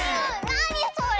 なにそれ？